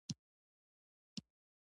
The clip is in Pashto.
کاهنان او جنګیالي اصلي نیونکي وو.